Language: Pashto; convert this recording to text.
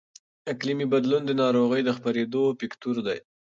اقلیمي بدلون د ناروغۍ د خپرېدو فکتور دی.